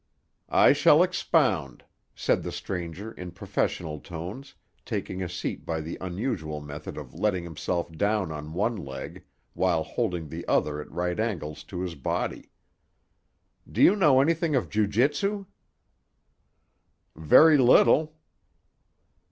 "I shall expound," said the stranger in professional tones, taking a seat by the unusual method of letting himself down on one leg while holding the other at right angles to his body. "Do you know anything of jiu jutsu?" "Very little."